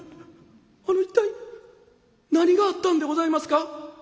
あの一体何があったんでございますか？」。